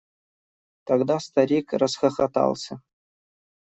Тогда старик расхохотался.